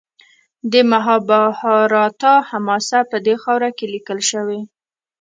د مهابهاراتا حماسه په دې خاوره کې لیکل شوې.